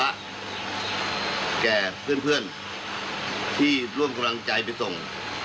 แก่เพื่อนที่ร่วมกำลังใจไปส่ง